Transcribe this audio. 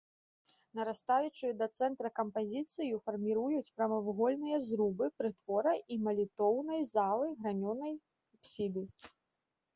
Нарастаючую да цэнтра кампазіцыю фарміруюць прамавугольныя зрубы прытвора і малітоўнай залы, гранёнай апсіды.